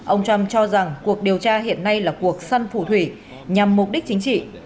ông trump cho rằng cuộc điều tra hiện nay là cuộc săn phủ thủy nhằm mục đích chính trị